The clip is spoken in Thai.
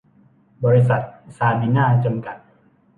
บริษัท ซาบีน่า จำกัด